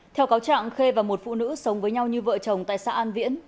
theo cáo trạng khê và một phụ nữ sống với nhau như vợ chồng tại xã an viễn